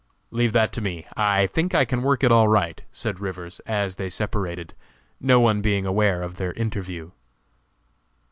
"Leave that to me. I think I can work it all right," said Rivers, as they separated, no one being aware of their interview.